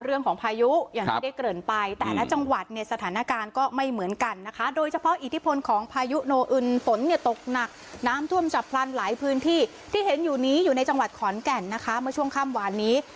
พายุอย่างที่ได้เกริ่นไปแต่ละจังหวัดเนี่ยสถานการณ์ก็ไม่เหมือนกันนะคะโดยเฉพาะอิทธิพลของพายุโนอึนฝนเนี่ยตกหนักน้ำท่วมฉับพลันหลายพื้นที่ที่เห็นอยู่นี้อยู่ในจังหวัดขอนแก่นนะคะเมื่อช่วงค่ำหวานนี้